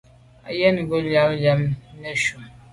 Yen ngub nyàm li lam neshu.